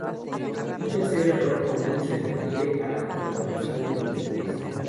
Un tercer error común se refiere a la colocación de los pies.